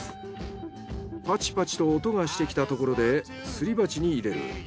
パチパチと音がしてきたところですり鉢に入れる。